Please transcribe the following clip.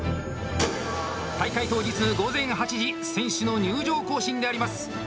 大会当日、午前８時選手の入場行進であります。